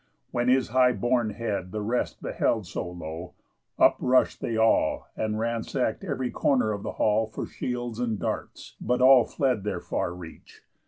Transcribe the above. When his high born head The rest beheld so low, up rush'd they all, And ransack'd ev'ry corner of the hall For shields and darts; but all fled far their reach.